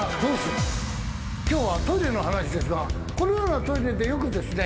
今日はトイレの話ですがこのようなトイレでよくですね